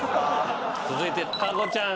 続いて加護ちゃん。